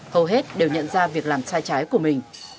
hầu hết đều nhận ra việc làm sai trái của mình